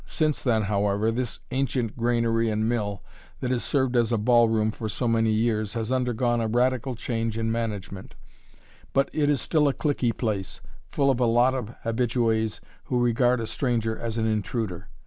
Since then, however, this ancient granary and mill, that has served as a ball room for so many years, has undergone a radical change in management; but it is still a cliquey place, full of a lot of habitués who regard a stranger as an intruder.